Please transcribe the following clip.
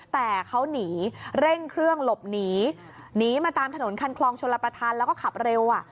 แต่เขาหนีเร่งเครื่องหลบหนีหนีมาตามถนนคันคลองชลประธานแล้วก็ขับเร็วอ่ะ